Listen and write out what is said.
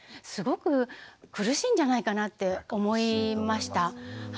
すごく苦しいんじゃないかなって思いました。